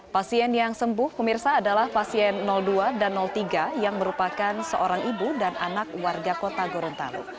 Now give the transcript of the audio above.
pasien yang sembuh pemirsa adalah pasien dua dan tiga yang merupakan seorang ibu dan anak warga kota gorontalo